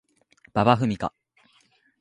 馬場ふみか